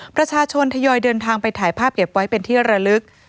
ประชาชนทยอยเดินทางไปถ่ายภาพเก็บไว้เป็นที่ระลึก